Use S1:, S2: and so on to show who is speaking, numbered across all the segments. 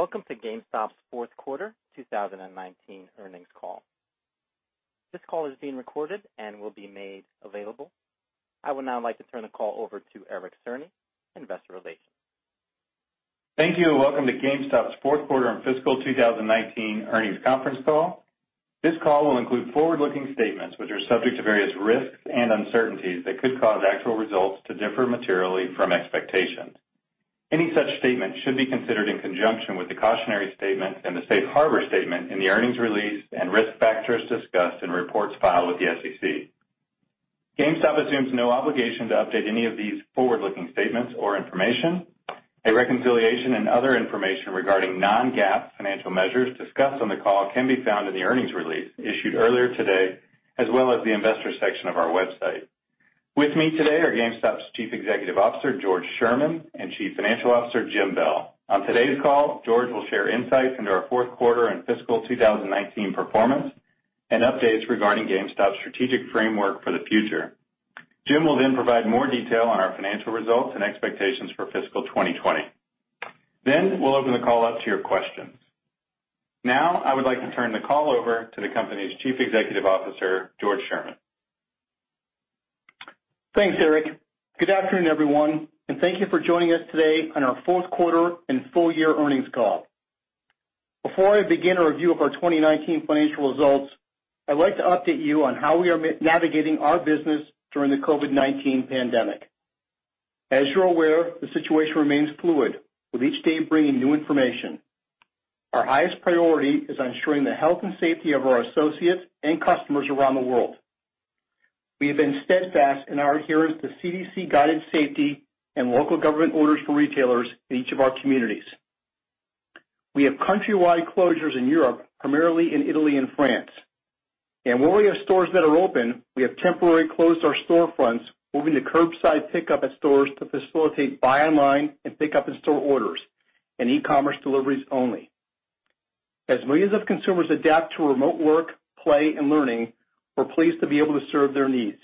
S1: Welcome to GameStop's fourth quarter 2019 earnings call. This call is being recorded and will be made available. I would now like to turn the call over to Eric Cerny, Investor Relations.
S2: Thank you. Welcome to GameStop's fourth quarter and fiscal 2019 earnings conference call. This call will include forward-looking statements, which are subject to various risks and uncertainties that could cause actual results to differ materially from expectations. Any such statement should be considered in conjunction with the cautionary statement and the safe harbor statement in the earnings release and risk factors discussed in reports filed with the SEC. GameStop assumes no obligation to update any of these forward-looking statements or information. A reconciliation and other information regarding non-GAAP financial measures discussed on the call can be found in the earnings release issued earlier today, as well as the investor section of our website. With me today are GameStop's Chief Executive Officer, George Sherman, and Chief Financial Officer, Jim Bell. On today's call, George will share insights into our fourth quarter and fiscal 2019 performance and updates regarding GameStop's strategic framework for the future. Jim will then provide more detail on our financial results and expectations for fiscal 2020. We'll open the call up to your questions. Now, I would like to turn the call over to the company's Chief Executive Officer, George Sherman.
S3: Thanks, Eric. Good afternoon, everyone, and thank you for joining us today on our fourth quarter and full year earnings call. Before I begin a review of our 2019 financial results, I'd like to update you on how we are navigating our business during the COVID-19 pandemic. As you're aware, the situation remains fluid, with each day bringing new information. Our highest priority is on ensuring the health and safety of our associates and customers around the world. We have been steadfast in our adherence to CDC-guided safety and local government orders for retailers in each of our communities. We have countrywide closures in Europe, primarily in Italy and France. Where we have stores that are open, we have temporarily closed our storefronts, moving to curbside pickup at stores to facilitate buy online and pick up in-store orders and e-commerce deliveries only. Millions of consumers adapt to remote work, play, and learning, we're pleased to be able to serve their needs.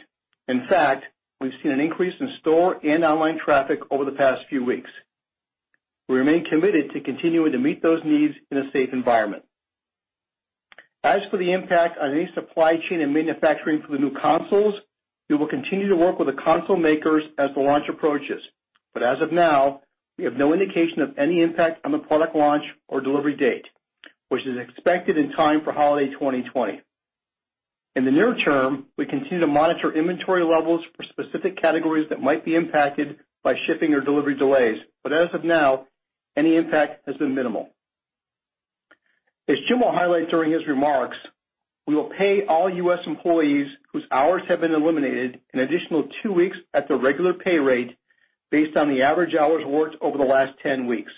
S3: In fact, we've seen an increase in store and online traffic over the past few weeks. We remain committed to continuing to meet those needs in a safe environment. For the impact on any supply chain and manufacturing for the new consoles, we will continue to work with the console makers as the launch approaches. As of now, we have no indication of any impact on the product launch or delivery date, which is expected in time for holiday 2020. In the near term, we continue to monitor inventory levels for specific categories that might be impacted by shipping or delivery delays. As of now, any impact has been minimal. As Jim will highlight during his remarks, we will pay all U.S. employees whose hours have been eliminated an additional two weeks at their regular pay rate based on the average hours worked over the last 10 weeks.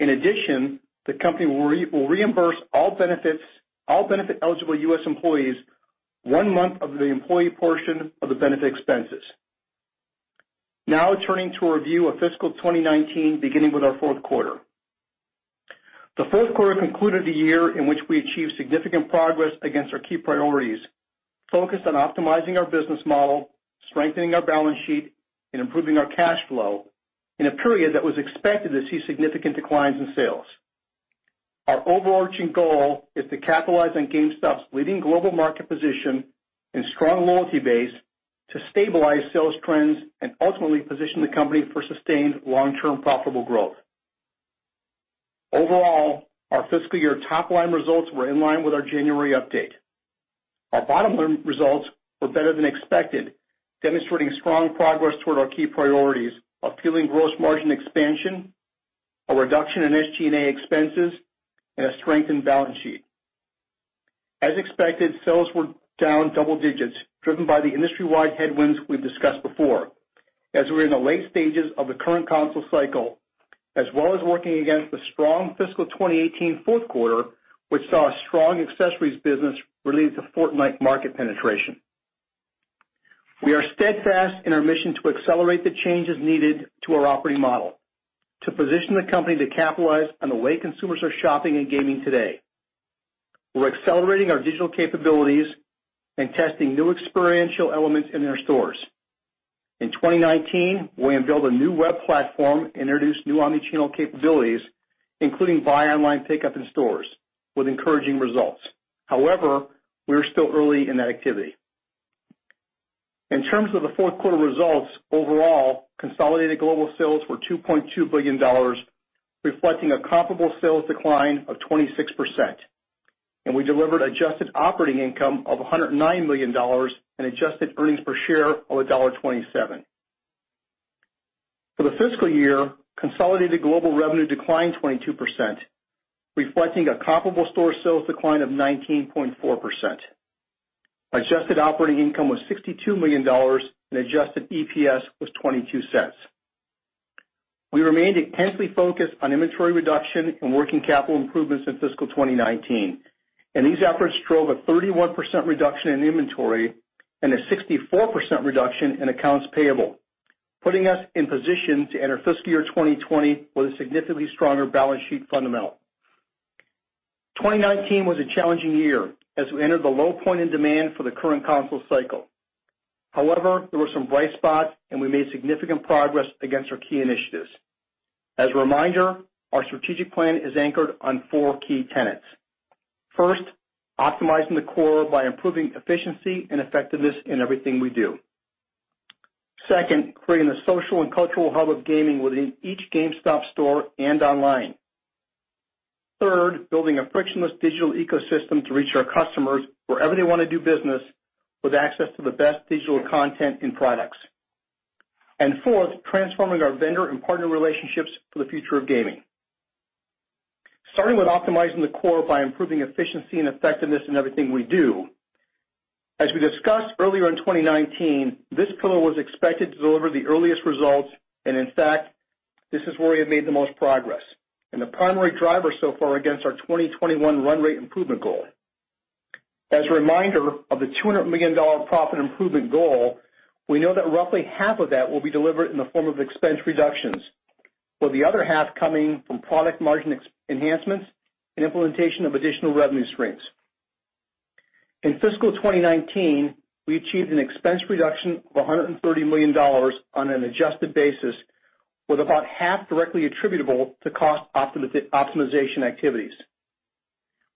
S3: In addition, the company will reimburse all benefit eligible U.S. employees, one month of the employee portion of the benefit expenses. Turning to a review of fiscal 2019, beginning with our fourth quarter. The fourth quarter concluded a year in which we achieved significant progress against our key priorities, focused on optimizing our business model, strengthening our balance sheet, and improving our cash flow in a period that was expected to see significant declines in sales. Our overarching goal is to capitalize on GameStop's leading global market position and strong loyalty base to stabilize sales trends and ultimately position the company for sustained long-term profitable growth. Overall, our fiscal year top-line results were in line with our January update. Our bottom line results were better than expected, demonstrating strong progress toward our key priorities: appealing gross margin expansion, a reduction in SG&A expenses, and a strengthened balance sheet. As expected, sales were down double digits, driven by the industry-wide headwinds we've discussed before, as we're in the late stages of the current console cycle, as well as working against the strong fiscal 2018 fourth quarter, which saw a strong accessories business related to Fortnite market penetration. We are steadfast in our mission to accelerate the changes needed to our operating model to position the company to capitalize on the way consumers are shopping and gaming today. We're accelerating our digital capabilities and testing new experiential elements in our stores. In 2019, we unveiled a new web platform and introduced new omnichannel capabilities, including buy online, pickup in stores, with encouraging results. However, we are still early in that activity. In terms of the fourth quarter results, overall, consolidated global sales were $2.2 billion, reflecting a comparable sales decline of 26%, and we delivered adjusted operating income of $109 million and adjusted earnings per share of $1.27. For the fiscal year, consolidated global revenue declined 22%, reflecting a comparable store sales decline of 19.4%. Adjusted operating income was $62 million, and adjusted EPS was $0.22. We remained intensely focused on inventory reduction and working capital improvements in fiscal 2019, and these efforts drove a 31% reduction in inventory and a 64% reduction in accounts payable, putting us in position to enter fiscal year 2020 with a significantly stronger balance sheet fundamentals. 2019 was a challenging year as we entered the low point in demand for the current console cycle. There were some bright spots, and we made significant progress against our key initiatives. As a reminder, our strategic plan is anchored on four key tenets. First, optimizing the core by improving efficiency and effectiveness in everything we do. Second, creating a social and cultural hub of gaming within each GameStop store and online. Third, building a frictionless digital ecosystem to reach our customers wherever they want to do business, with access to the best digital content and products. Fourth, transforming our vendor and partner relationships for the future of gaming. Starting with optimizing the core by improving efficiency and effectiveness in everything we do, as we discussed earlier in 2019, this pillar was expected to deliver the earliest results, and in fact, this is where we have made the most progress and the primary driver so far against our 2021 run rate improvement goal. As a reminder of the $200 million profit improvement goal, we know that roughly half of that will be delivered in the form of expense reductions, with the other half coming from product margin enhancements and implementation of additional revenue streams. In fiscal 2019, we achieved an expense reduction of $130 million on an adjusted basis, with about half directly attributable to cost optimization activities.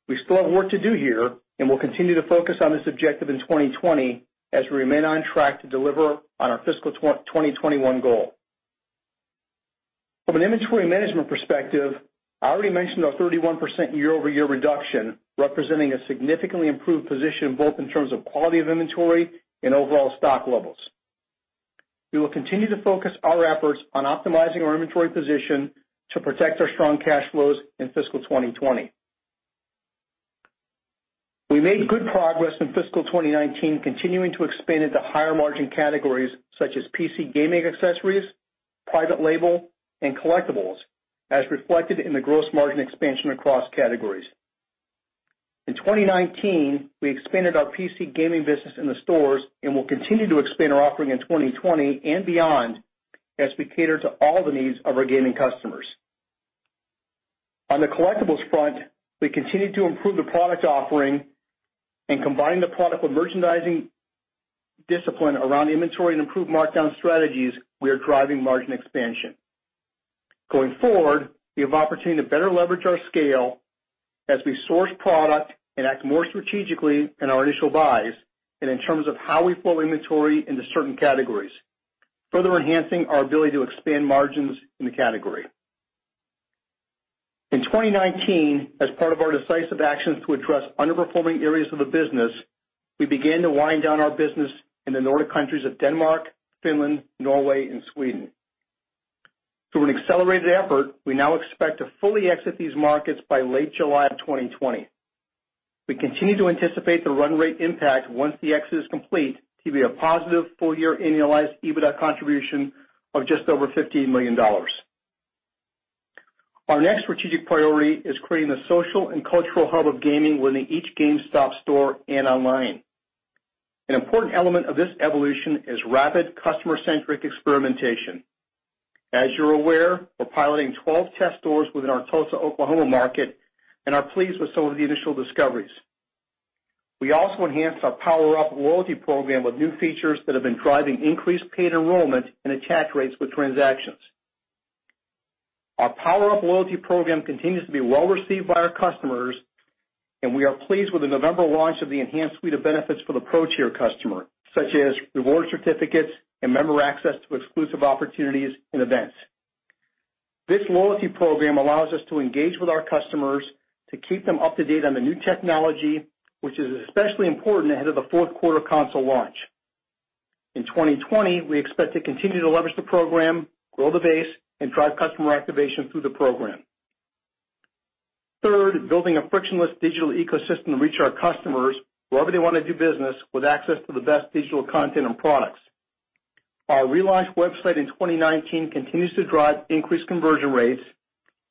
S3: We still have work to do here, and we'll continue to focus on this objective in 2020 as we remain on track to deliver on our fiscal 2021 goal. From an inventory management perspective, I already mentioned our 31% year-over-year reduction, representing a significantly improved position both in terms of quality of inventory and overall stock levels. We will continue to focus our efforts on optimizing our inventory position to protect our strong cash flows in fiscal 2020. We made good progress in fiscal 2019, continuing to expand into higher margin categories such as PC gaming accessories, private label, and collectibles, as reflected in the gross margin expansion across categories. In 2019, we expanded our PC gaming business in the stores and will continue to expand our offering in 2020 and beyond as we cater to all the needs of our gaming customers. On the collectibles front, we continue to improve the product offering and combine the product with merchandising discipline around inventory and improved markdown strategies, we are driving margin expansion. Going forward, we have opportunity to better leverage our scale as we source product and act more strategically in our initial buys and in terms of how we pull inventory into certain categories, further enhancing our ability to expand margins in the category. In 2019, as part of our decisive actions to address underperforming areas of the business, we began to wind down our business in the Nordic countries of Denmark, Finland, Norway, and Sweden. Through an accelerated effort, we now expect to fully exit these markets by late July of 2020. We continue to anticipate the run rate impact once the exit is complete to be a positive full-year annualized EBITDA contribution of just over $15 million. Our next strategic priority is creating the social and cultural hub of gaming within each GameStop store and online. An important element of this evolution is rapid customer-centric experimentation. As you're aware, we're piloting 12 test stores within our Tulsa, Oklahoma market and are pleased with some of the initial discoveries. We also enhanced our PowerUp Rewards with new features that have been driving increased paid enrollment and attach rates with transactions. Our PowerUp Rewards continues to be well-received by our customers, and we are pleased with the November launch of the enhanced suite of benefits for the Pro tier customer, such as reward certificates and member access to exclusive opportunities and events. This loyalty program allows us to engage with our customers to keep them up to date on the new technology, which is especially important ahead of the fourth quarter console launch. In 2020, we expect to continue to leverage the program, grow the base, and drive customer activation through the program. Third, building a frictionless digital ecosystem to reach our customers wherever they want to do business with access to the best digital content and products. Our relaunched website in 2019 continues to drive increased conversion rates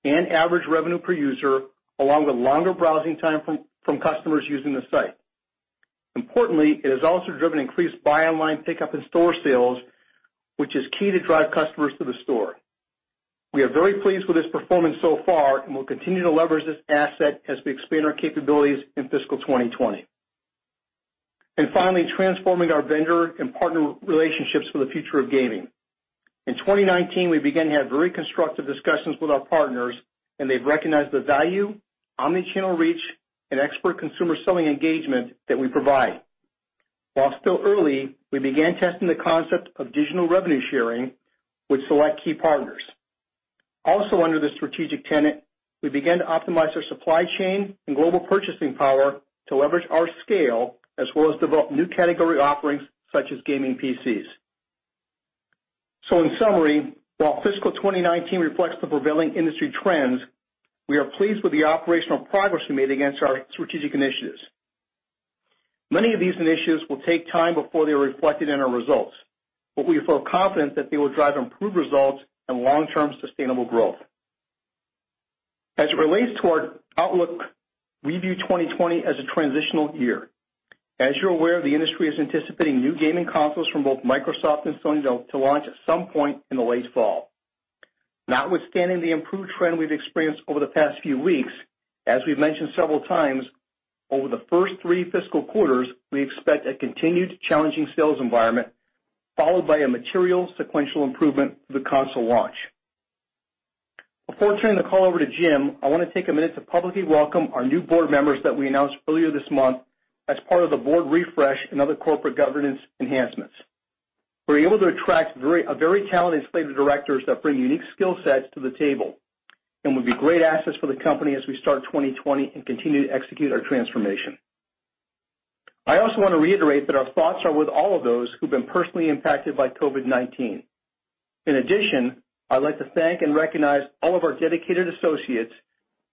S3: and average revenue per user, along with longer browsing time from customers using the site. Importantly, it has also driven increased buy online pickup in-store sales, which is key to drive customers to the store. We are very pleased with this performance so far and will continue to leverage this asset as we expand our capabilities in fiscal 2020. Finally, transforming our vendor and partner relationships for the future of gaming. In 2019, we began to have very constructive discussions with our partners, and they've recognized the value, omnichannel reach, and expert consumer selling engagement that we provide. While still early, we began testing the concept of digital revenue sharing with select key partners. Also under this strategic tenet, we began to optimize our supply chain and global purchasing power to leverage our scale as well as develop new category offerings such as gaming PCs. In summary, while fiscal 2019 reflects the prevailing industry trends, we are pleased with the operational progress we made against our strategic initiatives. Many of these initiatives will take time before they are reflected in our results, but we feel confident that they will drive improved results and long-term sustainable growth. As it relates to our outlook, we view 2020 as a transitional year. As you're aware, the industry is anticipating new gaming consoles from both Microsoft and Sony to launch at some point in the late fall. Notwithstanding the improved trend we've experienced over the past few weeks, as we've mentioned several times, over the first three fiscal quarters, we expect a continued challenging sales environment, followed by a material sequential improvement with the console launch. Before turning the call over to Jim, I want to take a minute to publicly welcome our new board members that we announced earlier this month as part of the board refresh and other corporate governance enhancements. We were able to attract a very talented slate of directors that bring unique skill sets to the table and will be great assets for the company as we start 2020 and continue to execute our transformation. I also want to reiterate that our thoughts are with all of those who've been personally impacted by COVID-19. In addition, I'd like to thank and recognize all of our dedicated associates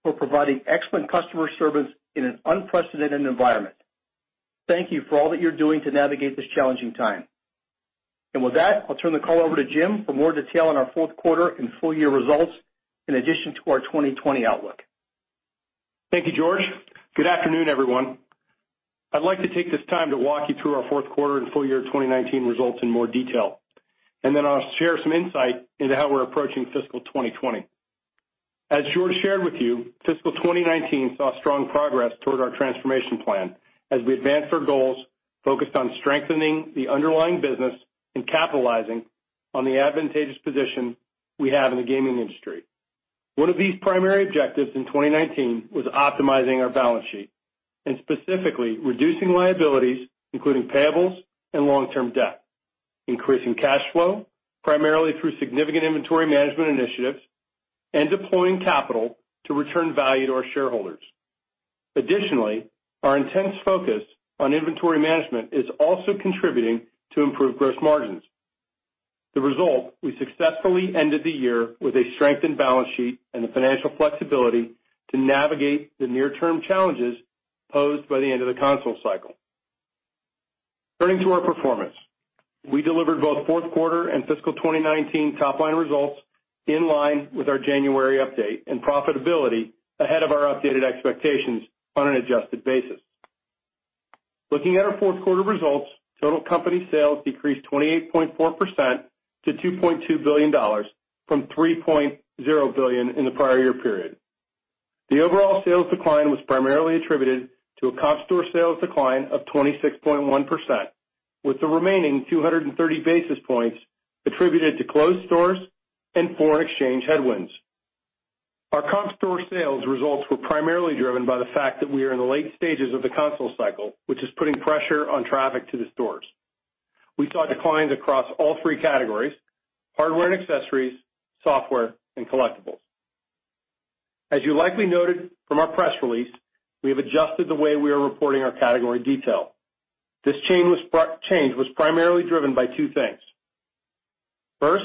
S3: for providing excellent customer service in an unprecedented environment. Thank you for all that you're doing to navigate this challenging time. With that, I'll turn the call over to Jim for more detail on our fourth quarter and full-year results in addition to our 2020 outlook.
S4: Thank you, George. Good afternoon, everyone. I'd like to take this time to walk you through our fourth quarter and full year 2019 results in more detail. Then I'll share some insight into how we're approaching fiscal 2020. As George shared with you, fiscal 2019 saw strong progress toward our transformation plan as we advanced our goals focused on strengthening the underlying business and capitalizing on the advantageous position we have in the gaming industry. One of these primary objectives in 2019 was optimizing our balance sheet and specifically reducing liabilities, including payables and long-term debt, increasing cash flow, primarily through significant inventory management initiatives, and deploying capital to return value to our shareholders. Additionally, our intense focus on inventory management is also contributing to improved gross margins. The result, we successfully ended the year with a strengthened balance sheet and the financial flexibility to navigate the near-term challenges posed by the end of the console cycle. Turning to our performance, we delivered both fourth quarter and fiscal 2019 top-line results in line with our January update and profitability ahead of our updated expectations on an adjusted basis. Looking at our fourth quarter results, total company sales decreased 28.4% to $2.2 billion from $3.0 billion in the prior year period. The overall sales decline was primarily attributed to a comp store sales decline of 26.1%, with the remaining 230 basis points attributed to closed stores and foreign exchange headwinds. Our comp store sales results were primarily driven by the fact that we are in the late stages of the console cycle, which is putting pressure on traffic to the stores. We saw declines across all three categories: hardware and accessories, software, and collectibles. As you likely noted from our press release, we have adjusted the way we are reporting our category detail. This change was primarily driven by two things. First,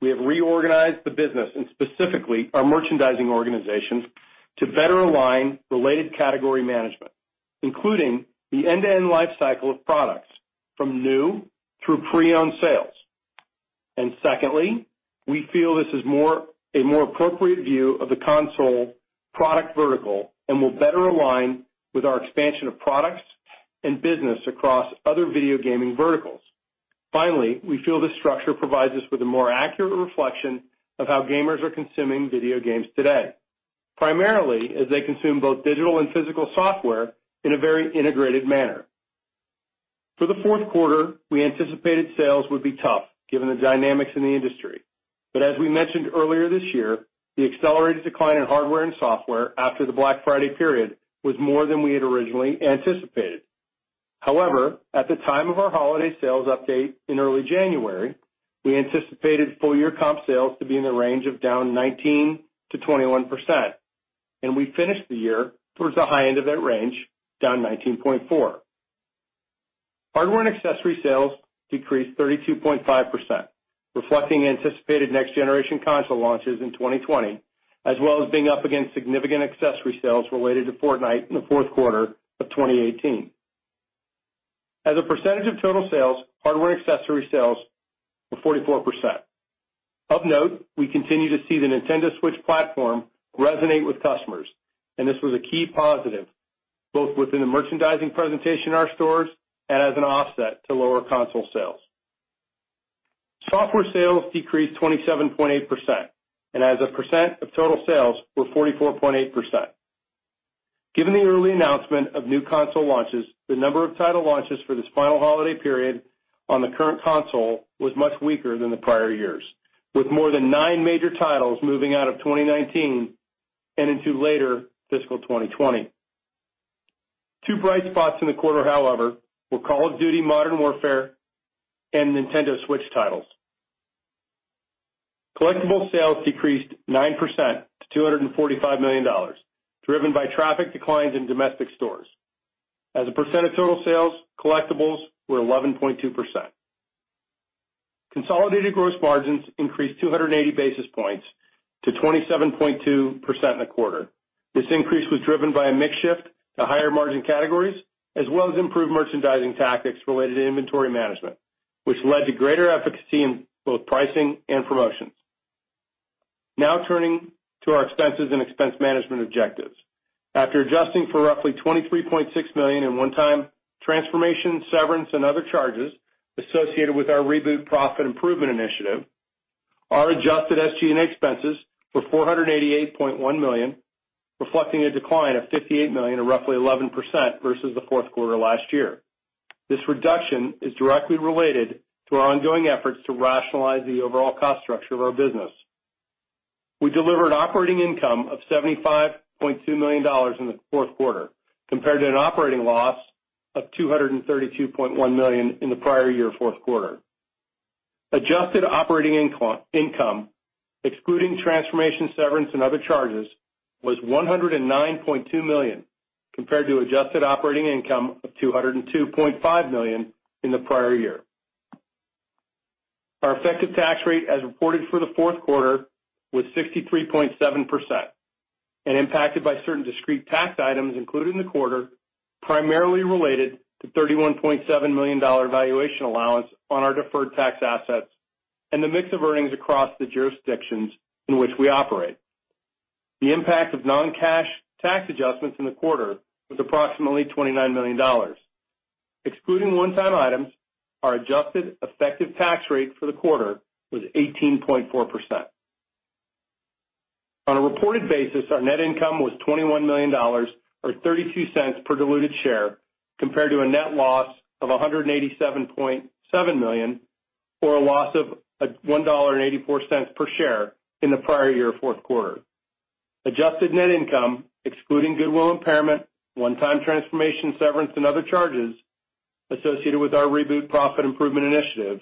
S4: we have reorganized the business and specifically our merchandising organizations to better align related category management, including the end-to-end life cycle of products from new through pre-owned sales. Secondly, we feel this is a more appropriate view of the console product vertical and will better align with our expansion of products and business across other video gaming verticals. Finally, we feel this structure provides us with a more accurate reflection of how gamers are consuming video games today, primarily as they consume both digital and physical software in a very integrated manner. For the fourth quarter, we anticipated sales would be tough, given the dynamics in the industry. As we mentioned earlier this year, the accelerated decline in hardware and software after the Black Friday period was more than we had originally anticipated. However, at the time of our holiday sales update in early January, we anticipated full-year comp sales to be in the range of down 19%-21%, and we finished the year towards the high end of that range, down 19.4%. Hardware and accessory sales decreased 32.5%, reflecting anticipated next-generation console launches in 2020, as well as being up against significant accessory sales related to Fortnite in the fourth quarter of 2018. As a percentage of total sales, hardware and accessory sales were 44%. Of note, we continue to see the Nintendo Switch platform resonate with customers, and this was a key positive, both within the merchandising presentation in our stores and as an offset to lower console sales. Software sales decreased 27.8% and as a percent of total sales were 44.8%. Given the early announcement of new console launches, the number of title launches for this final holiday period on the current console was much weaker than the prior years, with more than nine major titles moving out of 2019 and into later fiscal 2020. Two bright spots in the quarter, however, were Call of Duty: Modern Warfare and Nintendo Switch titles. Collectible sales decreased 9% to $245 million, driven by traffic declines in domestic stores. As a percent of total sales, collectibles were 11.2%. Consolidated gross margins increased 280 basis points to 27.2% in the quarter. This increase was driven by a mix shift to higher-margin categories, as well as improved merchandising tactics related to inventory management, which led to greater efficacy in both pricing and promotions. Turning to our expenses and expense management objectives. After adjusting for roughly $23.6 million in one-time transformation, severance, and other charges associated with our Reboot Profit Improvement Initiative, our adjusted SG&A expenses were $488.1 million, reflecting a decline of $58 million or roughly 11% versus the fourth quarter last year. This reduction is directly related to our ongoing efforts to rationalize the overall cost structure of our business. We delivered operating income of $75.2 million in the fourth quarter, compared to an operating loss of $232.1 million in the prior year fourth quarter. Adjusted operating income, excluding transformation, severance, and other charges, was $109.2 million, compared to adjusted operating income of $202.5 million in the prior year. Our effective tax rate as reported for the fourth quarter was 63.7% and impacted by certain discrete tax items included in the quarter, primarily related to $31.7 million valuation allowance on our deferred tax assets and the mix of earnings across the jurisdictions in which we operate. The impact of non-cash tax adjustments in the quarter was approximately $29 million. Excluding one-time items, our adjusted effective tax rate for the quarter was 18.4%. On a reported basis, our net income was $21 million, or $0.32 per diluted share, compared to a net loss of $187.7 million or a loss of $1.84 per share in the prior year fourth quarter. Adjusted net income, excluding goodwill impairment, one-time transformation severance, and other charges associated with our Reboot Profit Improvement Initiative,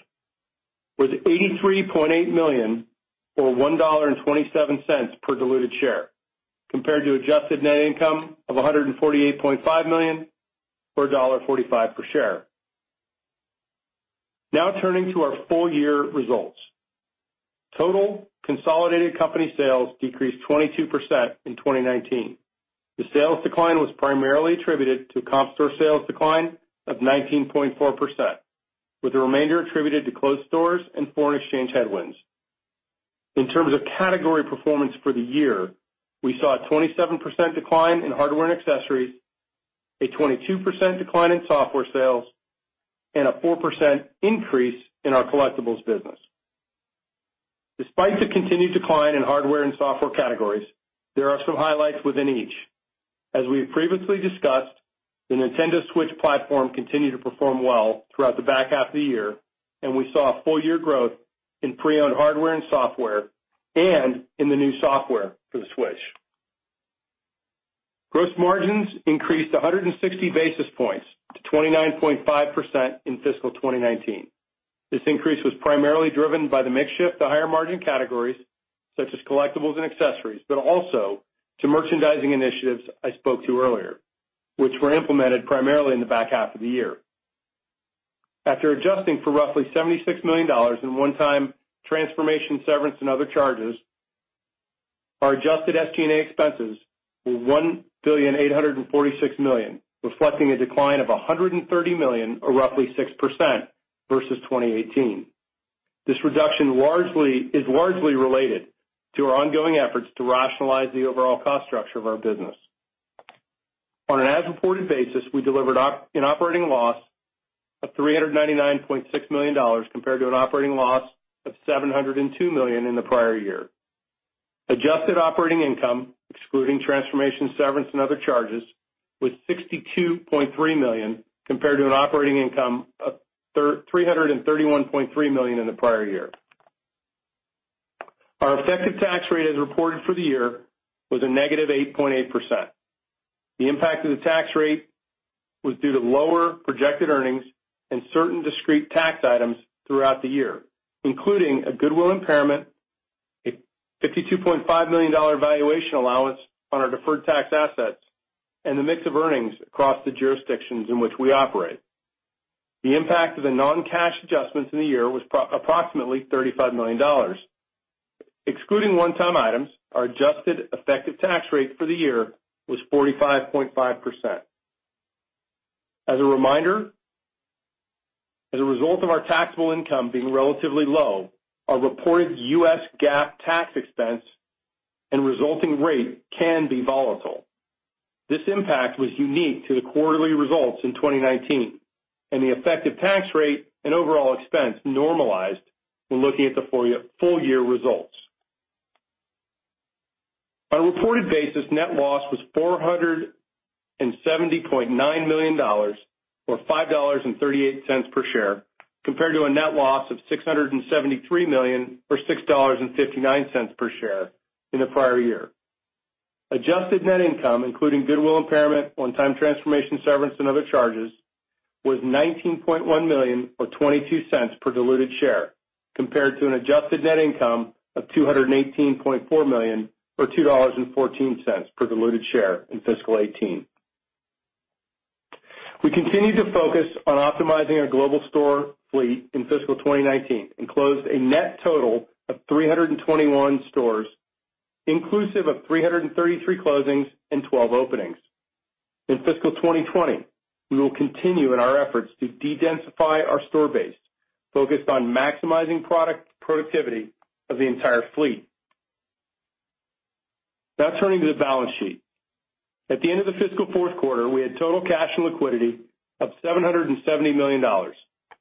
S4: was $83.8 million or $1.27 per diluted share, compared to adjusted net income of $148.5 million or $1.45 per share. Now turning to our full-year results. Total consolidated company sales decreased 22% in 2019. The sales decline was primarily attributed to comp store sales decline of 19.4%, with the remainder attributed to closed stores and foreign exchange headwinds. In terms of category performance for the year, we saw a 27% decline in hardware and accessories, a 22% decline in software sales, and a 4% increase in our collectibles business. Despite the continued decline in hardware and software categories, there are some highlights within each. As we have previously discussed, the Nintendo Switch platform continued to perform well throughout the back half of the year, and we saw full-year growth in pre-owned hardware and software and in the new software for the Switch. Gross margins increased 160 basis points to 29.5% in fiscal 2019. This increase was primarily driven by the mix shift to higher-margin categories such as collectibles and accessories, but also to merchandising initiatives I spoke to earlier, which were implemented primarily in the back half of the year. After adjusting for roughly $76 million in one-time transformation, severance, and other charges, our adjusted SG&A expenses were $1,846 million, reflecting a decline of $130 million or roughly 6% versus 2018. This reduction is largely related to our ongoing efforts to rationalize the overall cost structure of our business. On an as-reported basis, we delivered an operating loss of $399.6 million compared to an operating loss of $702 million in the prior year. Adjusted operating income, excluding transformation, severance, and other charges, was $62.3 million, compared to an operating income of $331.3 million in the prior year. Our effective tax rate as reported for the year was a -8.8%. The impact of the tax rate was due to lower projected earnings and certain discrete tax items throughout the year, including a goodwill impairment, a $52.5 million valuation allowance on our deferred tax assets, and the mix of earnings across the jurisdictions in which we operate. The impact of the non-cash adjustments in the year was approximately $35 million. Excluding one-time items, our adjusted effective tax rate for the year was 45.5%. As a reminder, as a result of our taxable income being relatively low, our reported U.S. GAAP tax expense and resulting rate can be volatile. This impact was unique to the quarterly results in 2019. The effective tax rate and overall expense normalized when looking at the full-year results. On a reported basis, net loss was $470.9 million or $5.38 per share, compared to a net loss of $673 million or $6.59 per share in the prior year. Adjusted net income, including goodwill impairment, one-time transformation severance, and other charges, was $19.1 million or $0.22 per diluted share, compared to an adjusted net income of $218.4 million or $2.14 per diluted share in fiscal 2018. We continued to focus on optimizing our global store fleet in fiscal 2019 and closed a net total of 321 stores, inclusive of 333 closings and 12 openings. In fiscal 2020, we will continue in our efforts to de-densify our store base, focused on maximizing product productivity of the entire fleet. Now turning to the balance sheet. At the end of the fiscal fourth quarter, we had total cash and liquidity of $770 million,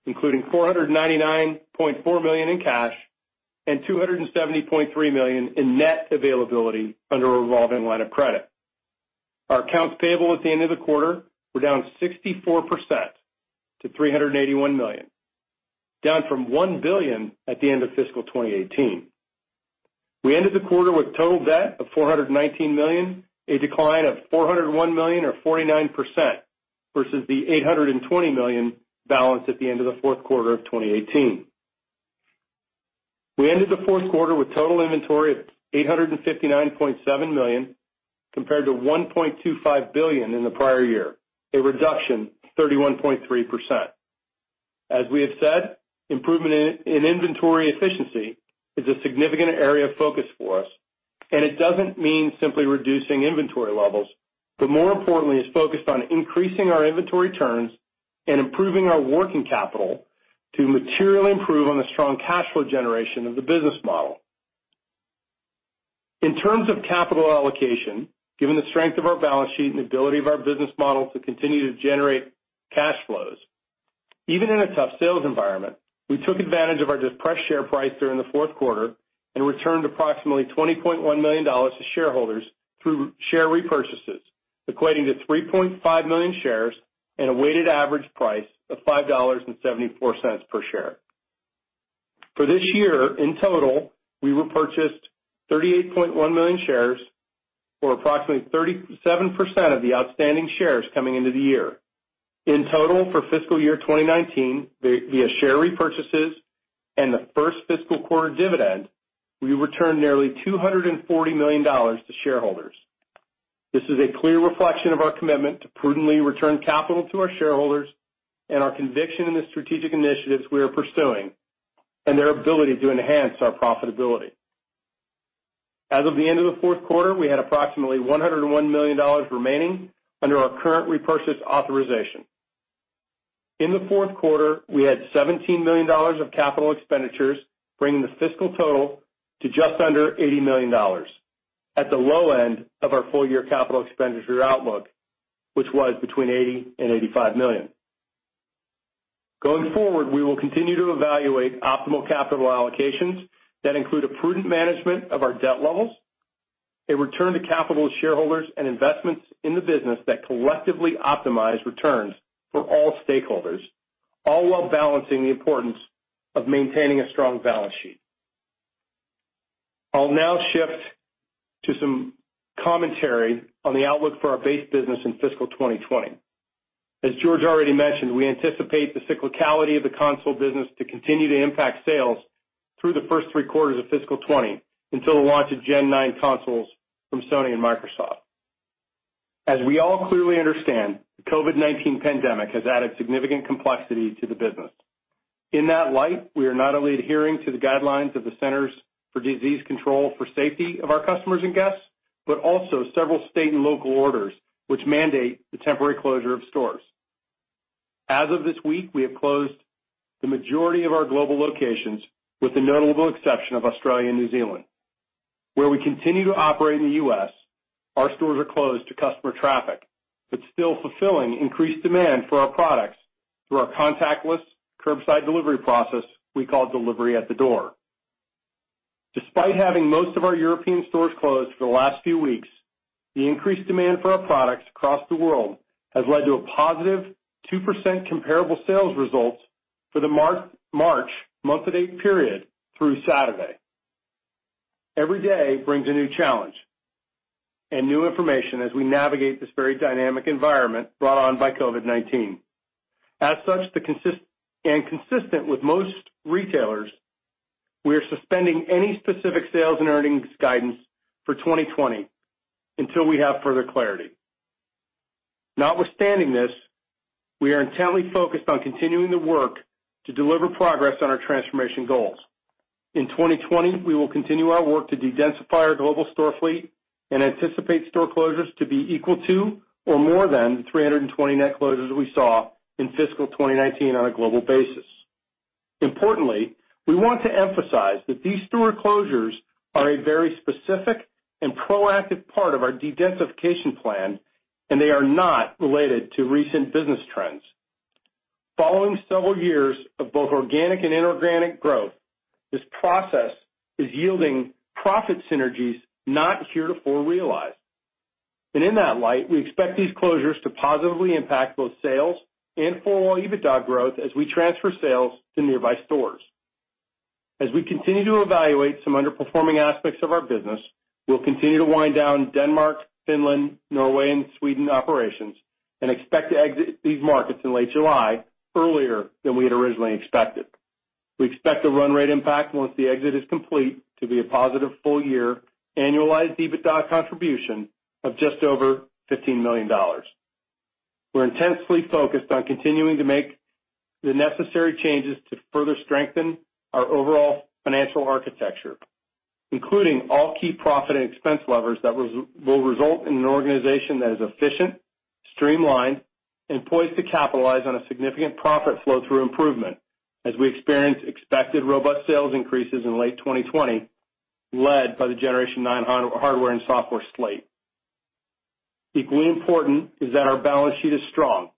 S4: including $499.4 million in cash and $270.3 million in net availability under a revolving line of credit. Our accounts payable at the end of the quarter were down 64% to $381 million, down from $1 billion at the end of fiscal 2018. We ended the quarter with total debt of $419 million, a decline of $401 million or 49%, versus the $820 million balanced at the end of the fourth quarter of 2018. We ended the fourth quarter with total inventory of $859.7 million, compared to $1.25 billion in the prior year, a reduction of 31.3%. As we have said, improvement in inventory efficiency is a significant area of focus for us, and it doesn't mean simply reducing inventory levels, but more importantly, is focused on increasing our inventory turns and improving our working capital to materially improve on the strong cash flow generation of the business model. In terms of capital allocation, given the strength of our balance sheet and the ability of our business model to continue to generate cash flows, even in a tough sales environment, we took advantage of our depressed share price during the fourth quarter and returned approximately $20.1 million to shareholders through share repurchases, equating to 3.5 million shares and a weighted average price of $5.74 per share. For this year, in total, we repurchased 38.1 million shares or approximately 37% of the outstanding shares coming into the year. In total, for fiscal year 2019, via share repurchases and the first fiscal quarter dividend, we returned nearly $240 million to shareholders. This is a clear reflection of our commitment to prudently return capital to our shareholders and our conviction in the strategic initiatives we are pursuing, and their ability to enhance our profitability. As of the end of the fourth quarter, we had approximately $101 million remaining under our current repurchase authorization. In the fourth quarter, we had $17 million of capital expenditures, bringing the fiscal total to just under $80 million, at the low end of our full-year capital expenditure outlook, which was between $80 million and $85 million. Going forward, we will continue to evaluate optimal capital allocations that include a prudent management of our debt levels, a return to capital shareholders, and investments in the business that collectively optimize returns for all stakeholders, all while balancing the importance of maintaining a strong balance sheet. I'll now shift to some commentary on the outlook for our base business in fiscal 2020. As George already mentioned, we anticipate the cyclicality of the console business to continue to impact sales through the first three quarters of fiscal 2020 until the launch of Gen 9 consoles from Sony and Microsoft. As we all clearly understand, the COVID-19 pandemic has added significant complexity to the business. In that light, we are not only adhering to the guidelines of the Centers for Disease Control for safety of our customers and guests, but also several state and local orders which mandate the temporary closure of stores. As of this week, we have closed the majority of our global locations, with the notable exception of Australia and New Zealand. Where we continue to operate in the U.S., our stores are closed to customer traffic, but still fulfilling increased demand for our products through our contactless curbside delivery process we call Delivery at the Door. Despite having most of our European stores closed for the last few weeks, the increased demand for our products across the world has led to a +2% comparable sales results for the March month-to-date period through Saturday. Every day brings a new challenge and new information as we navigate this very dynamic environment brought on by COVID-19. As such, and consistent with most retailers, we are suspending any specific sales and earnings guidance for 2020 until we have further clarity. Notwithstanding this, we are intently focused on continuing the work to deliver progress on our transformation goals. In 2020, we will continue our work to de-densify our global store fleet and anticipate store closures to be equal to or more than the 320 net closures we saw in fiscal 2019 on a global basis. Importantly, we want to emphasize that these store closures are a very specific and proactive part of our de-densification plan, and they are not related to recent business trends. Following several years of both organic and inorganic growth, this process is yielding profit synergies not heretofore realized. In that light, we expect these closures to positively impact both sales and full-year EBITDA growth as we transfer sales to nearby stores. As we continue to evaluate some underperforming aspects of our business, we'll continue to wind down Denmark, Finland, Norway, and Sweden operations and expect to exit these markets in late July, earlier than we had originally expected. We expect the run rate impact once the exit is complete to be a positive full-year annualized EBITDA contribution of just over $15 million. We're intensely focused on continuing to make the necessary changes to further strengthen our overall financial architecture, including all key profit and expense levers that will result in an organization that is efficient, streamlined, and poised to capitalize on a significant profit flow through improvement as we experience expected robust sales increases in late 2020, led by the Generation 9 hardware and software slate. Equally important is that our balance sheet is strong,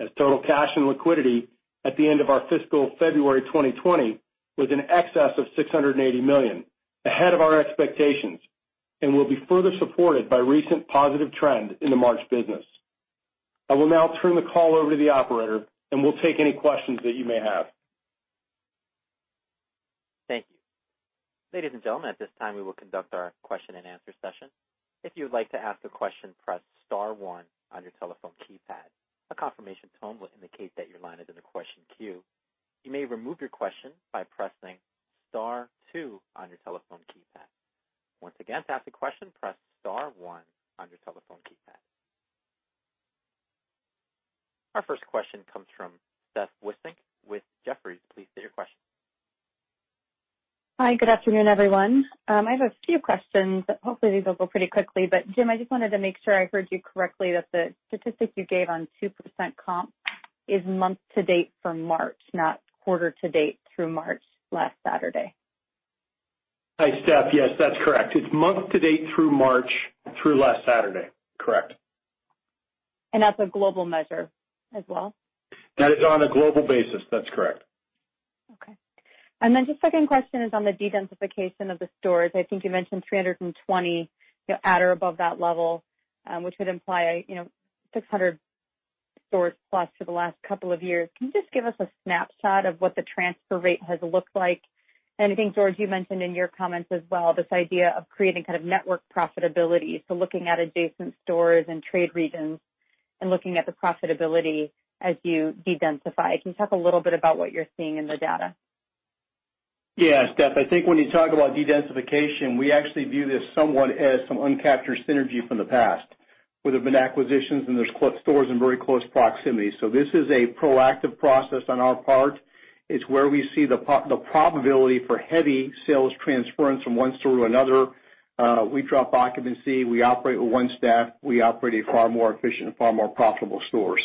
S4: as total cash and liquidity at the end of our fiscal February 2020 was in excess of $680 million, ahead of our expectations, and will be further supported by recent positive trend in the March business. I will now turn the call over to the operator. We'll take any questions that you may have.
S1: Thank you. Ladies and gentlemen, at this time, we will conduct our question-and-answer session. If you would like to ask a question, press star one on your telephone keypad. A confirmation tone will indicate that your line is in the question queue. You may remove your question by pressing star two on your telephone keypad. Once again, to ask a question, press star one on your telephone keypad. Our first question comes from Steph Wissink with Jefferies. Please state your question.
S5: Hi, good afternoon, everyone. I have a few questions. Hopefully, these will go pretty quickly. Jim, I just wanted to make sure I heard you correctly that the statistic you gave on 2% comp is month to date for March, not quarter to date through March last Saturday.
S4: Hi, Steph. Yes, that's correct. It's month-to-date through March, through last Saturday. Correct.
S5: That's a global measure as well?
S4: That is on a global basis. That's correct.
S5: Okay. The second question is on the dedensification of the stores. I think you mentioned 320 at or above that level, which would imply 600 stores plus for the last couple of years. Can you just give us a snapshot of what the transfer rate has looked like? I think, George, you mentioned in your comments as well, this idea of creating network profitability, so looking at adjacent stores and trade regions and looking at the profitability as you de-densify. Can you talk a little bit about what you're seeing in the data?
S3: Yeah, Steph, I think when you talk about de-densification, we actually view this somewhat as some uncaptured synergy from the past, where there's been acquisitions and there's stores in very close proximity. This is a proactive process on our part. It's where we see the probability for heavy sales transference from one store to another. We drop occupancy. We operate with one staff. We operate a far more efficient and far more profitable store.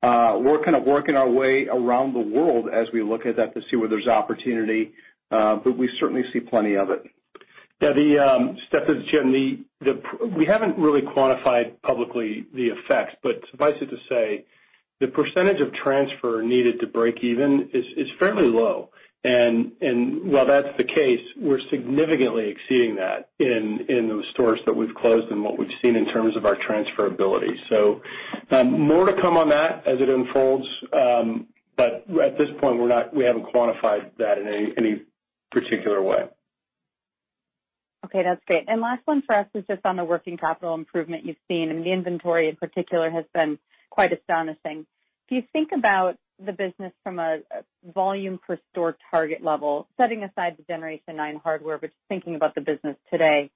S3: We're kind of working our way around the world as we look at that to see where there's opportunity, but we certainly see plenty of it.
S4: Yeah, Steph, it's Jim. We haven't really quantified publicly the effects, but suffice it to say, the percentage of transfer needed to break even is fairly low. While that's the case, we're significantly exceeding that in those stores that we've closed and what we've seen in terms of our transferability. More to come on that as it unfolds. At this point, we haven't quantified that in any particular way.
S5: Okay, that's great. Last one for us is just on the working capital improvement you've seen, and the inventory in particular has been quite astonishing. If you think about the business from a volume per store target level, setting aside the Generation 9 hardware, but just thinking about the business today,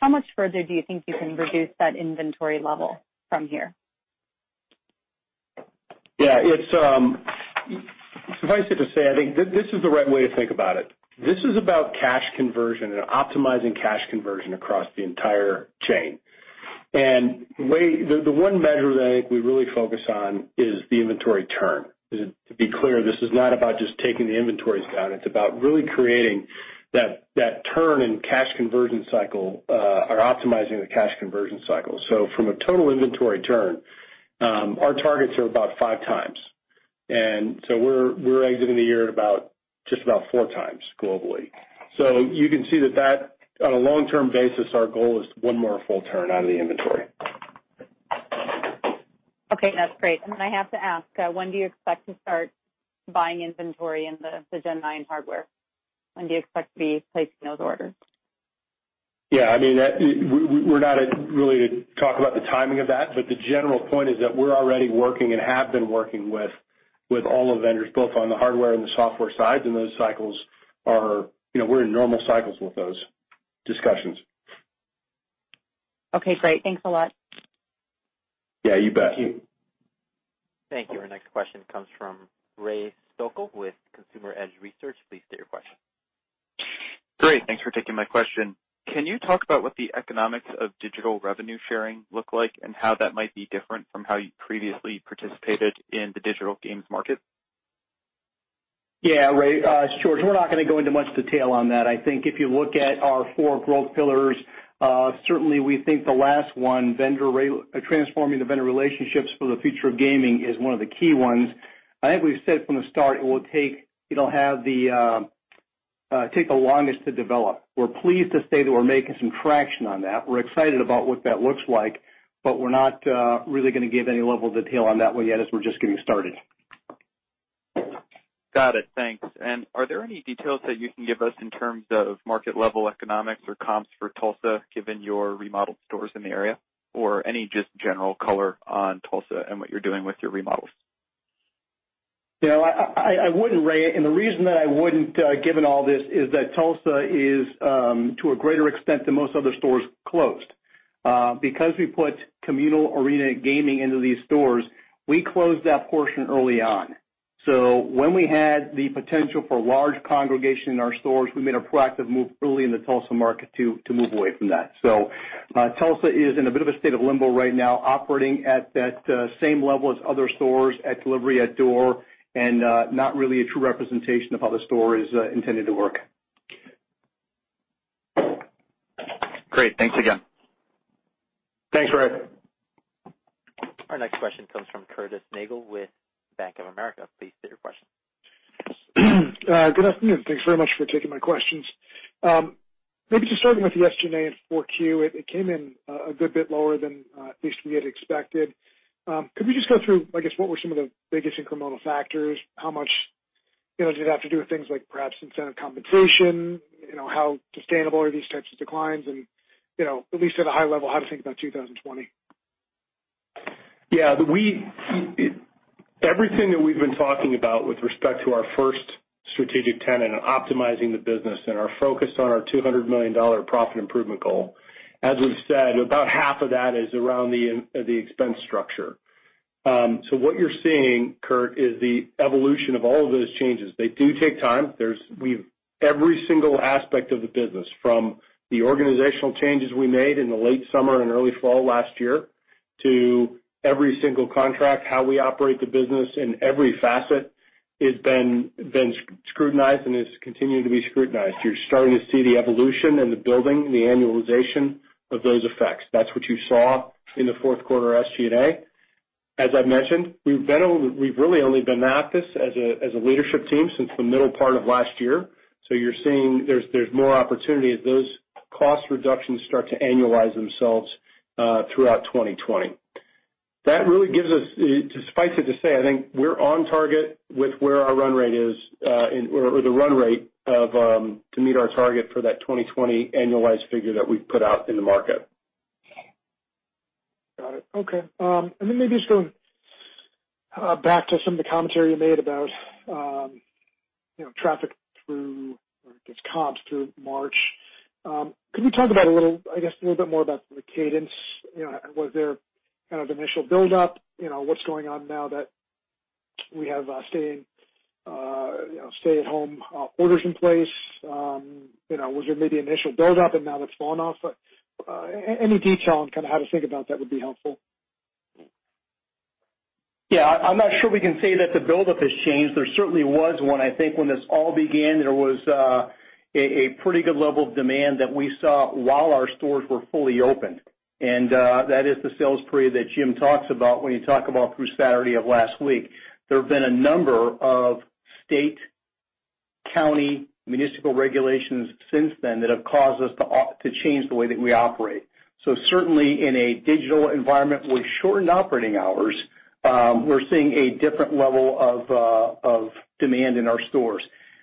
S5: how much further do you think you can reduce that inventory level from here?
S4: Yeah. Suffice it to say, I think this is the right way to think about it. This is about cash conversion and optimizing cash conversion across the entire chain. The one measure that I think we really focus on is the inventory turn. To be clear, this is not about just taking the inventories down. It's about really creating that turn in cash conversion cycle, or optimizing the cash conversion cycle. From a total inventory turn, our targets are about five times. We're exiting the year at just about four times globally. You can see that on a long-term basis, our goal is one more full turn out of the inventory.
S5: Okay, that's great. I have to ask, when do you expect to start buying inventory in the Gen 9 hardware? When do you expect to be placing those orders?
S4: Yeah, we're not at really to talk about the timing of that, but the general point is that we're already working and have been working with all the vendors, both on the hardware and the software sides, and we're in normal cycles with those discussions.
S5: Okay, great. Thanks a lot.
S4: Yeah, you bet. Thank you.
S1: Thank you. Our next question comes from Ray Stochel with Consumer Edge Research. Please state your question.
S6: Great. Thanks for taking my question. Can you talk about what the economics of digital revenue sharing look like and how that might be different from how you previously participated in the digital games market?
S3: Ray, it's George. We're not going to go into much detail on that. I think if you look at our four growth pillars, certainly we think the last one, transforming the vendor relationships for the future of gaming, is one of the key ones. I think we've said from the start, it'll take the longest to develop. We're pleased to say that we're making some traction on that. We're excited about what that looks like. We're not really going to give any level of detail on that one yet, as we're just getting started.
S6: Got it. Thanks. Are there any details that you can give us in terms of market-level economics or comps for Tulsa, given your remodeled stores in the area, or any just general color on Tulsa and what you're doing with your remodels?
S3: I wouldn't, Ray. The reason that I wouldn't, given all this, is that Tulsa is, to a greater extent than most other stores, closed. Because we put communal arena gaming into these stores, we closed that portion early on. When we had the potential for large congregation in our stores, we made a proactive move early in the Tulsa market to move away from that. Tulsa is in a bit of a state of limbo right now, operating at that same level as other stores at Delivery@Door, and not really a true representation of how the store is intended to work.
S6: Great. Thanks again.
S3: Thanks, Ray.
S1: Our next question comes from Curtis Nagle with Bank of America. Please state your question.
S7: Good afternoon. Thanks very much for taking my questions. Maybe just starting with the SG&A in 4Q, it came in a good bit lower than at least we had expected. Could we just go through, I guess, what were some of the biggest incremental factors? How much did it have to do with things like perhaps incentive compensation? How sustainable are these types of declines? At least at a high level, how to think about 2020.
S4: Yeah. Everything that we've been talking about with respect to our first strategic tenant and optimizing the business and our focus on our $200 million profit improvement goal, as we've said, about half of that is around the expense structure. What you're seeing, Curt, is the evolution of all of those changes. They do take time. Every single aspect of the business, from the organizational changes we made in the late summer and early fall last year to every single contract, how we operate the business in every facet, has been scrutinized and is continuing to be scrutinized. You're starting to see the evolution and the building and the annualization of those effects. That's what you saw in the fourth quarter SG&A. As I've mentioned, we've really only been at this as a leadership team since the middle part of last year. You're seeing there's more opportunity as those cost reductions start to annualize themselves throughout 2020. That really gives us, despite what you say, I think we're on target with where our run rate is or the run rate to meet our target for that 2020 annualized figure that we've put out in the market.
S7: Got it. Okay. Maybe just going back to some of the commentary you made about traffic through, or I guess, comps through March. Could you talk about a little bit more about the cadence? Was there kind of initial buildup? What's going on now that we have stay-at-home orders in place? Was there maybe initial buildup and now that's fallen off? Any detail on kind of how to think about that would be helpful.
S3: Yeah, I'm not sure we can say that the buildup has changed. There certainly was one, I think when this all began, there was a pretty good level of demand that we saw while our stores were fully open. That is the sales period that Jim talks about when you talk about through Saturday of last week. There have been a number of state, county, municipal regulations since then that have caused us to change the way that we operate. Certainly in a digital environment with shortened operating hours, we're seeing a different level of demand in our stores.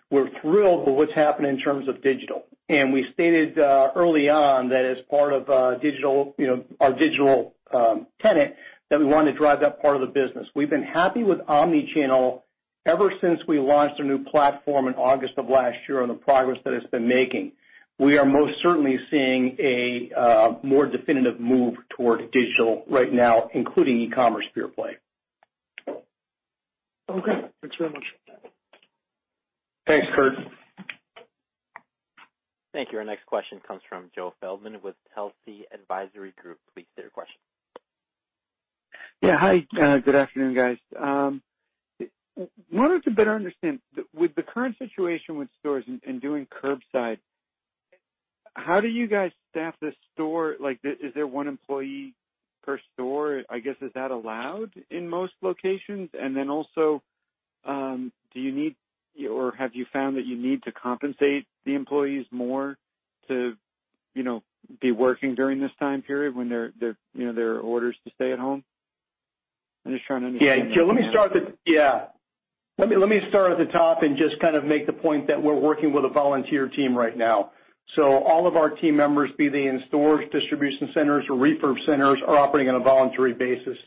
S3: We're thrilled with what's happened in terms of digital. We stated early on that as part of our digital tenant, that we wanted to drive that part of the business. We've been happy with omnichannel ever since we launched a new platform in August of last year and the progress that it's been making. We are most certainly seeing a more definitive move toward digital right now, including e-commerce pure play.
S7: Okay. Thanks very much for that.
S4: Thanks, Curt.
S1: Thank you. Our next question comes from Joe Feldman with Telsey Advisory Group. Please state your question.
S8: Yeah. Hi, good afternoon, guys. I wanted to better understand, with the current situation with stores and doing curbside, how do you guys staff the store? Is there one employee per store? I guess, is that allowed in most locations? Have you found that you need to compensate the employees more to be working during this time period when there are orders to stay at home? I'm just trying to understand that.
S3: Yeah. Joe, let me start at the top and just kind of make the point that we're working with a volunteer team right now. All of our team members, be they in stores, Distribution Centers, or refurb centers, are operating on a voluntary basis.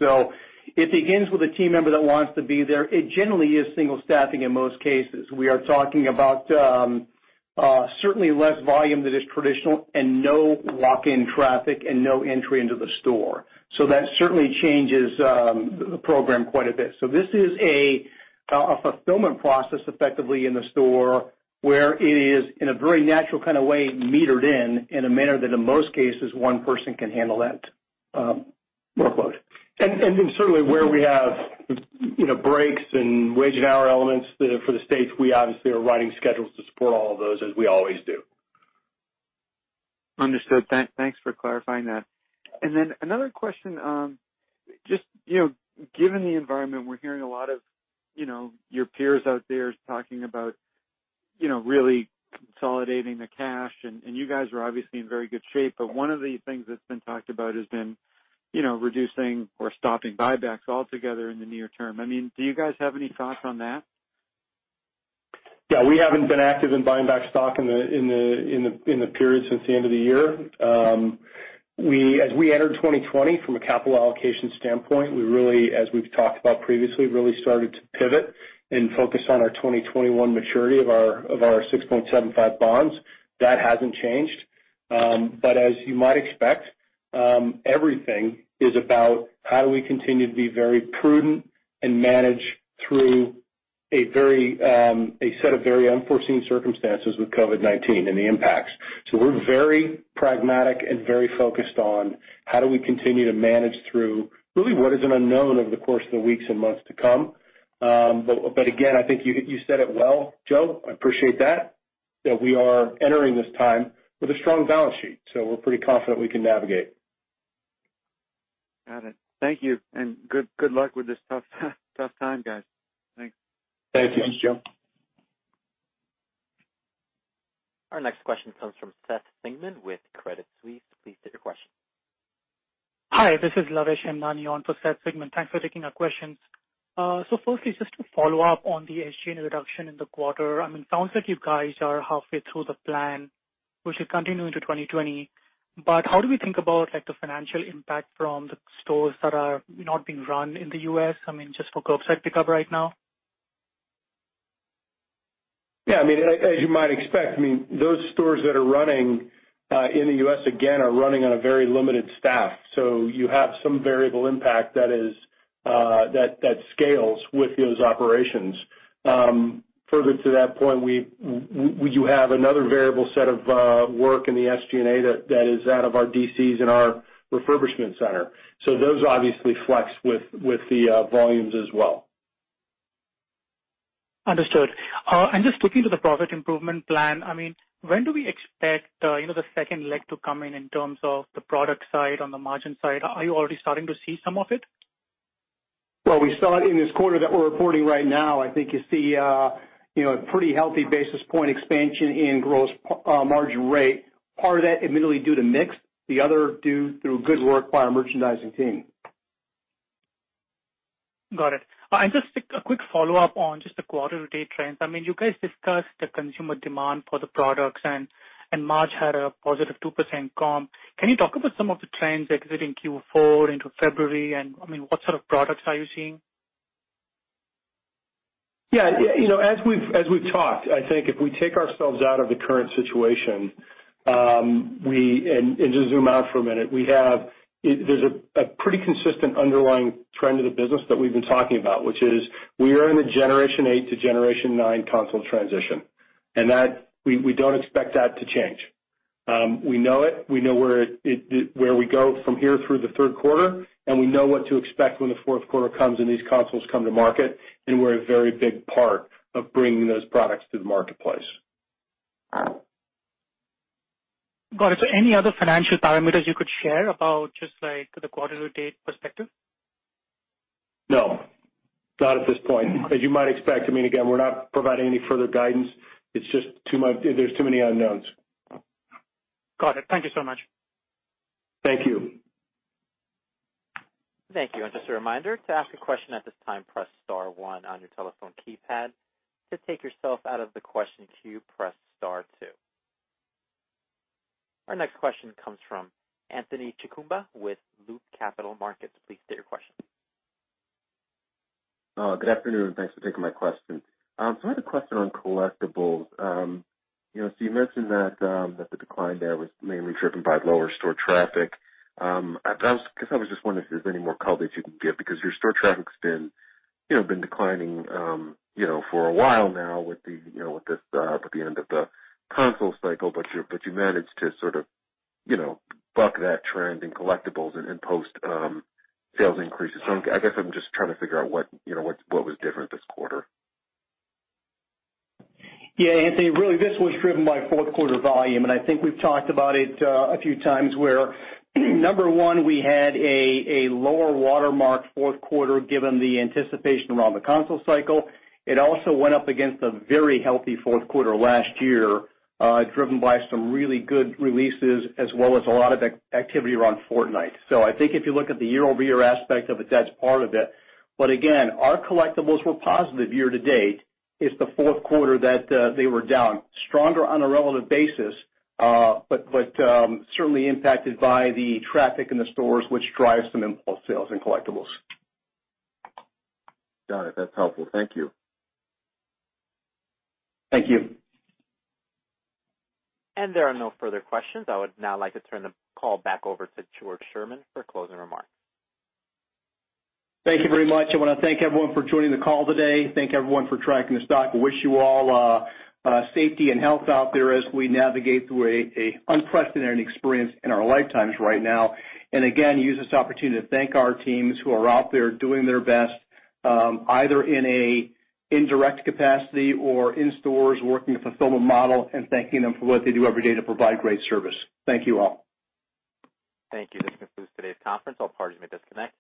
S3: It begins with a team member that wants to be there. It generally is single staffing in most cases. We are talking about certainly less volume than is traditional and no walk-in traffic and no entry into the store. That certainly changes the program quite a bit. This is a fulfillment process effectively in the store where it is in a very natural kind of way metered in a manner that in most cases, one person can handle that workload.
S4: Certainly where we have breaks and wage and hour elements for the states, we obviously are writing schedules to support all of those as we always do.
S8: Understood. Thanks for clarifying that. Another question. Just given the environment, we're hearing a lot of your peers out there talking about really consolidating the cash, and you guys are obviously in very good shape, but one of the things that's been talked about has been reducing or stopping buybacks altogether in the near term. Do you guys have any thoughts on that?
S4: Yeah. We haven't been active in buying back stock in the period since the end of the year. As we entered 2020 from a capital allocation standpoint, as we've talked about previously, really started to pivot and focus on our 2021 maturity of our 6.75% bonds. That hasn't changed. As you might expect, everything is about how do we continue to be very prudent and manage through a set of very unforeseen circumstances with COVID-19 and the impacts. We're very pragmatic and very focused on how do we continue to manage through really what is an unknown over the course of the weeks and months to come. Again, I think you said it well, Joe. I appreciate that we are entering this time with a strong balance sheet, we're pretty confident we can navigate.
S8: Got it. Thank you, and good luck with this tough time, guys. Thanks.
S4: Thank you.
S3: Thanks, Joe.
S1: Our next question comes from Seth Sigman with Credit Suisse. Please state your question.
S9: Hi, this is Lavesh Hemnani on for Seth Sigman. Thanks for taking our questions. Firstly, just to follow up on the SG&A reduction in the quarter, it sounds like you guys are halfway through the plan, which will continue into 2020. How do we think about the financial impact from the stores that are not being run in the U.S., just for curbside pickup right now?
S4: As you might expect, those stores that are running in the U.S., again, are running on a very limited staff. You have some variable impact that scales with those operations. Further to that point, you have another variable set of work in the SG&A that is out of our DCs and our refurbishment center. Those obviously flex with the volumes as well.
S9: Understood. Just looking to the profit improvement plan, when do we expect the second leg to come in terms of the product side, on the margin side? Are you already starting to see some of it?
S4: Well, we saw it in this quarter that we're reporting right now. I think you see a pretty healthy basis point expansion in gross margin rate. Part of that admittedly due to mix, the other due through good work by our merchandising team.
S9: Got it. Just a quick follow-up on just the quarter to date trends. You guys discussed the consumer demand for the products, and March had a +2% comp. Can you talk about some of the trends exiting Q4 into February, and what sort of products are you seeing?
S3: Yeah. As we've talked, I think if we take ourselves out of the current situation, and just zoom out for a minute, there's a pretty consistent underlying trend to the business that we've been talking about, which is we are in a Generation 8 to Generation 9 console transition. We don't expect that to change. We know it, we know where we go from here through the third quarter, and we know what to expect when the fourth quarter comes and these consoles come to market, and we're a very big part of bringing those products to the marketplace.
S9: Got it. Any other financial parameters you could share about just the quarter-to-date perspective?
S4: No, not at this point. As you might expect, again, we're not providing any further guidance. There's too many unknowns.
S9: Got it. Thank you so much.
S4: Thank you.
S1: Thank you. Just a reminder, to ask a question at this time, press star one on your telephone keypad. To take yourself out of the question queue, press star two. Our next question comes from Anthony Chukumba with Loop Capital Markets. Please state your question.
S10: Good afternoon. Thanks for taking my question. I had a question on collectibles. You mentioned that the decline there was mainly driven by lower store traffic. I was just wondering if there's any more color that you can give, because your store traffic's been declining for a while now with the end of the console cycle, but you managed to sort of buck that trend in collectibles and post sales increases. I guess I'm just trying to figure out what was different this quarter.
S3: Anthony, really, this was driven by fourth quarter volume. I think we've talked about it a few times, where, number one, we had a lower watermark fourth quarter given the anticipation around the console cycle. It also went up against a very healthy fourth quarter last year driven by some really good releases as well as a lot of activity around Fortnite. I think if you look at the year-over-year aspect of it, that's part of it. Again, our collectibles were positive year-to-date. It's the fourth quarter that they were down. Stronger on a relative basis, but certainly impacted by the traffic in the stores, which drives some impulse sales in collectibles.
S10: Got it. That's helpful. Thank you.
S3: Thank you.
S1: There are no further questions. I would now like to turn the call back over to George Sherman for closing remarks.
S3: Thank you very much. I want to thank everyone for joining the call today. Thank everyone for tracking the stock. Wish you all safety and health out there as we navigate through an unprecedented experience in our lifetimes right now. Again, use this opportunity to thank our teams who are out there doing their best, either in a indirect capacity or in stores working a fulfillment model and thanking them for what they do every day to provide great service. Thank you all.
S1: Thank you. This concludes today's conference. All parties may disconnect.